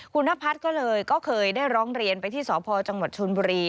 คุณนให้พัทย์ก็เลยเคยได้ร้องเรียนไปที่สพตชนบรี